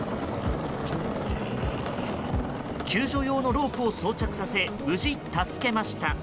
救助用のロープを装着させ無事、救出しました。